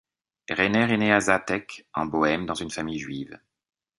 Reiner est né à Žatec, en Bohème, dans une famille juive.